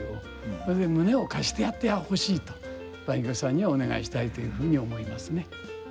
それで胸を貸してやってほしいと梅玉さんにはお願いしたいというふうに思いますね。